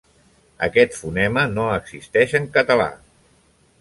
Aquest fonema no existeix en català.